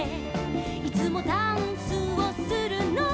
「いつもダンスをするのは」